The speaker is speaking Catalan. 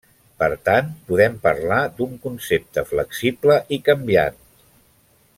Per tant, podem parlar d'un concepte flexible i canviant.